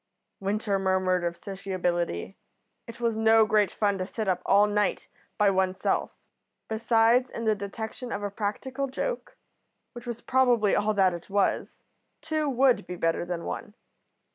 Winter murmured of sociability; it was no great fun to sit up all night by one's self. Besides, in the detection of a practical joke, which was probably all that it was, two would be better than one.